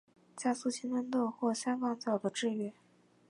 加速青春痘或香港脚的治愈。